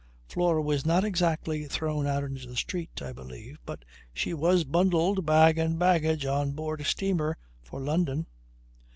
Flora was not exactly thrown out into the street, I believe, but she was bundled bag and baggage on board a steamer for London.